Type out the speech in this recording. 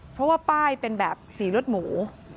เพราะว่าป้ายเป็นแบบสีรถหมู